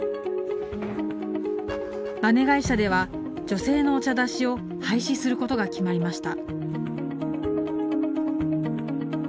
ばね会社では、女性のお茶出しを廃止することが決まりました。